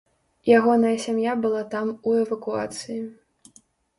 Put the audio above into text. Ягоная сям'я была там у эвакуацыі.